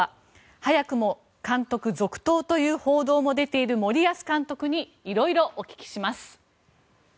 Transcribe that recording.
早くも監督続投という報道も出ている森保監督に色々お聞きします。